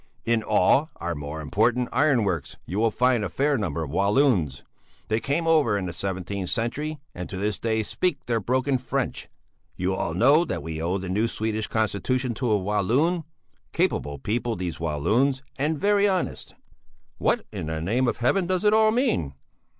In all our more important iron works you will find a fair number of Walloons; they came over in the seventeenth century and to this day speak their broken French. You all know that we owe the new Swedish constitution to a Walloon. Capable people, these Walloons, and very honest!" "What in the name of heaven does it all mean?"